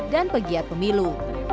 dan pegiat pemilu